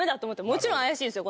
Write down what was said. もちろん怪しいですよ